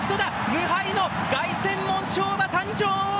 無敗の凱旋門賞馬、誕生。